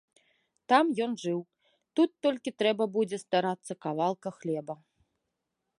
Там ён жыў, тут толькі трэба будзе старацца кавалка хлеба.